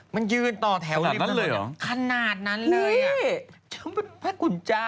ไมโตรมมาก